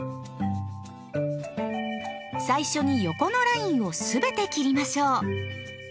最初に横のラインをすべて切りましょう。